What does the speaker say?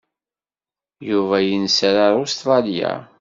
Yuba yenser ar Ustṛalya.